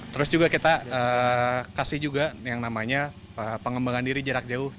terus juga kita kasih juga yang namanya pengembangan diri jarak jauh